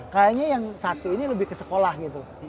kayaknya yang satu ini lebih ke sekolah gitu